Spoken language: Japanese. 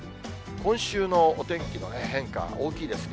今週のお天気の変化、大きいですね。